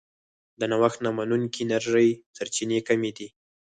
د نوښت نه منونکې انرژۍ سرچینې کمې دي.